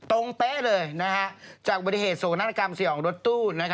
ตรงเป๊ะเลยจากบริเหตุโศกนาฬกรรมสิ่งของรถตู้